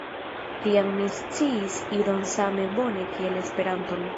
Tiam mi sciis Idon same bone kiel Esperanton.